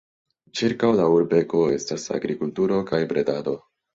Ĉirkaŭ la urbego estas agrikulturo kaj bredado.